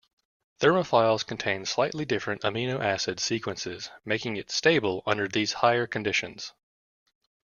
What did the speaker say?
Thermophiles contain slightly different amino acid sequences making it stable under these higher conditions.